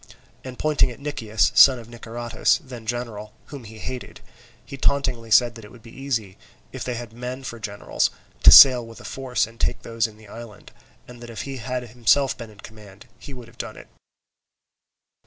And pointing at Nicias, son of Niceratus, then general, whom he hated, he tauntingly said that it would be easy, if they had men for generals, to sail with a force and take those in the island, and that if he had himself been in command, he would have done it.